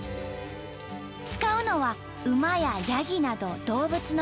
使うのは馬ややぎなど動物の毛。